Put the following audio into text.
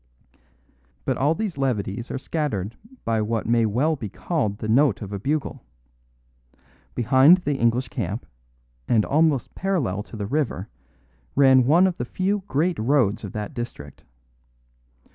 "But all these levities are scattered by what may well be called the note of a bugle. Behind the English camp and almost parallel to the river ran one of the few great roads of that district.